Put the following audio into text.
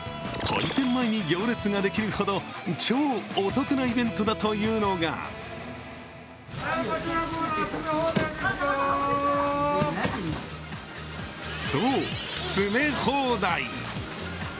開店前に行列ができるほど超お得なイベントだというのがそう、詰め放題。